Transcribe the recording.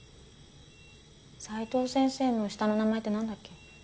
斉藤先生の下の名前って何だっけ？